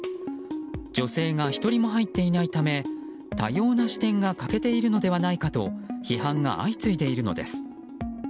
女性が１人も入っていないため多様な視点が欠けているのではないかと批判が相次いでいるのです。